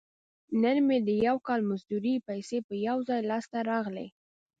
نن مې د یو کال مزدورۍ پیسې په یو ځای لاس ته راغلي.